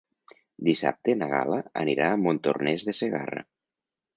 Dissabte na Gal·la anirà a Montornès de Segarra.